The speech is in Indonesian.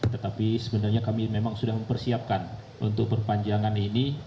tetapi sebenarnya kami memang sudah mempersiapkan untuk perpanjangan ini